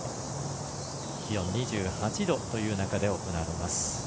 気温２８度という中で行われます。